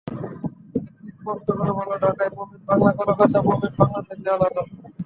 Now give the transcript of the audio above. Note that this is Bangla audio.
স্পষ্ট করে বললে, ঢাকার প্রমিত বাংলা কলকাতার প্রমিত বাংলা থেকে আলাদা।